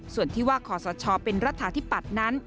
ส่วนที่ว่าขอสชเป็นรัฐาธิปัตย์นั้น